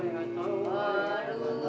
ya ampun ya mas